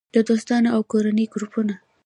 - د دوستانو او کورنۍ ګروپونه